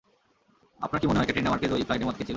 আপনার কী মনে হয় ক্যাটেরিনা মার্কেজ ওই ফ্লাইটে মদ খেয়েছিল?